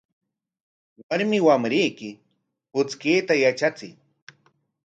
Warmi wamrayki puchkayta yatrachiy.